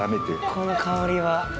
この香りは。